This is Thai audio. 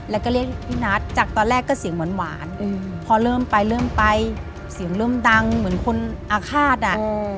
แล้วก็เรียกพี่นัทจากตอนแรกก็เสียงหวานพอเริ่มไปเริ่มไปเสียงเริ่มดังเหมือนคนอาฆาตอ่ะ